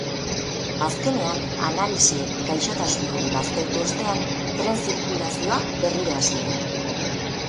Azkenean, analisiek gaixotasun hori baztertu ostean, tren-zirkulazioa berriro hasi da.